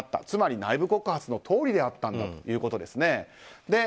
つまり、内部告発のとおりであったんだということですね。